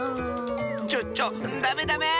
ちょちょダメダメー！